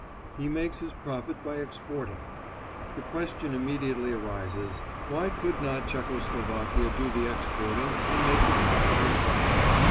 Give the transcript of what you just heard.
He makes his profit by exporting. The question immediately arises, why could not Czecho Slovakia do the exporting and make the profit herself?